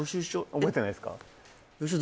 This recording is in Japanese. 覚えてないですか？